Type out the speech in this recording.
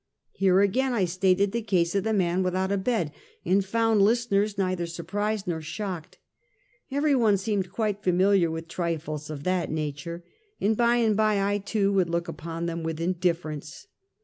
Here again I stated the case of the man without a bed, and found listeners neither surprised nor shocked. Every one seemed quite familiar with trifles of that nature, and by and by, I, too, would look upon them with indifference.